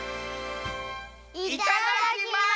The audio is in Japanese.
いただきます！